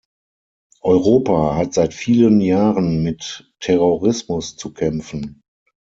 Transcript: Europa hat seit vielen Jahren mit Terrorismus zu kämpfen.